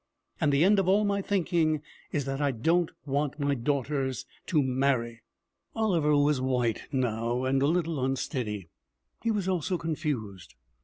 And the end of all my thinking is that I don't want my daughters to marry.' Oliver was white now, and a little unsteady. He was also confused.